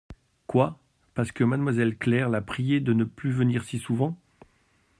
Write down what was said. Quoi ! parce que mademoiselle Claire l'a prié de ne plus venir si souvent ?